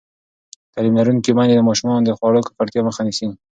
تعلیم لرونکې میندې د ماشومانو د خوړو ککړتیا مخه نیسي.